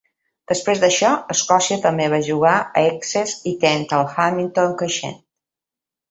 Després d 'això, Escòcia també va jugar a Essex i Kent al Hamilton Crescent.